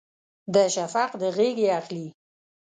د شفق د غیږې اخلي